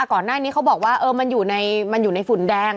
ก่อนหน้านี้เขาบอกว่ามันอยู่ในฝุ่นแดง